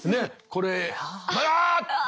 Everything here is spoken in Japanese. これあっ！